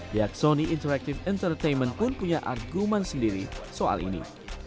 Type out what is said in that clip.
pihak sony interactive entertainment pun punya argumen sendiri soal ini